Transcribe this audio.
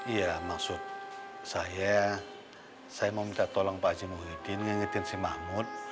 iya maksud saya saya mau minta tolong pak haji muhyiddin ngingetin si mahmud